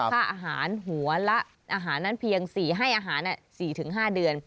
ค่าอาหารหัวละอาหารนั้นเพียง๔ให้อาหาร๔๕เดือน